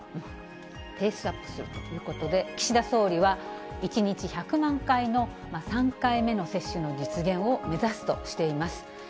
ペースアップするということで、岸田総理は、１日１００万回の３回目の接種の実現を目指すとしています。